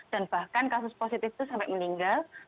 dan bahkan kasus positif itu sampai meninggal